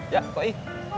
ya pak i